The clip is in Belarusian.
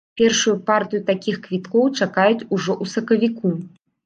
Першую партыю такіх квіткоў чакаюць ужо ў сакавіку.